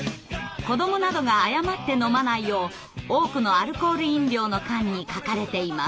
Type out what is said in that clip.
子どもなどが誤って飲まないよう多くのアルコール飲料の缶に書かれています。